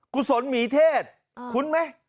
กุศลหมิเทศคุ้นมั้ย